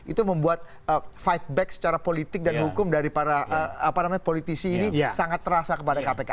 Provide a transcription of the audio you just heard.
itu membuat fight back secara politik dan hukum dari para politisi ini sangat terasa kepada kpk